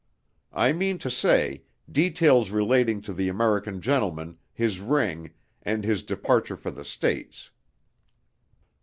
I mean to say, details relating to the American gentleman, his ring, and his departure for the States.